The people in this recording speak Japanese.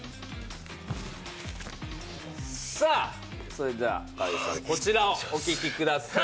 それでは河井さん、こちらをお聞きください。